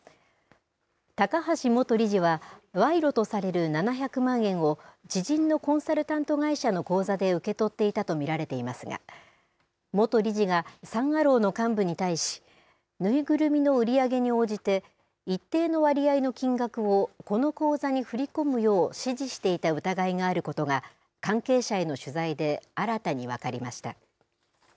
高橋元理事は、賄賂とされる７００万円を知人のコンサルタント会社の口座で受け取っていたと見られていますが、元理事がサン・アローの幹部に対し、縫いぐるみの売り上げに応じて、一定の割合の金額をこの口座に振り込むよう指示していた疑いがあることが、関係者への取材で新たに分かりました。